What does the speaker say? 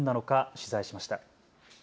取材しました。